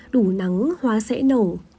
đủ nắng hoa sẽ nổ